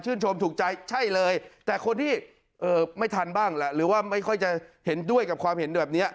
ถูกใจใช่เลยแต่คนที่ไม่ทันบ้างแหละหรือว่าไม่ค่อยจะเห็นด้วยกับความเห็นแบบนี้